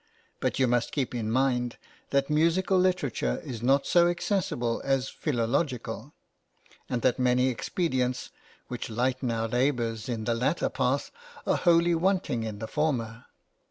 But you must keep in mind that musical literature is not so accessible as philological; and that many expedients, which lighten our labours in the latter path, are wholly wanting in the former.